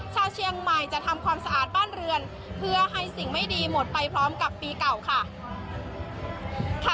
ชาวเชียงใหม่จะทำความสะอาดบ้านเรือนเพื่อให้สิ่งไม่ดีหมดไปพร้อมกับปีเก่าค่ะ